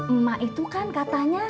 emak itu kan katanya